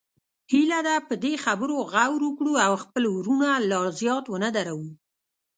هیله ده په دې خبرو غور وکړو او خپل وروڼه لا زیات ونه دردوو